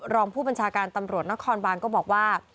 รองผู้บัญชาการตำรวจนครบานก็บอกว่า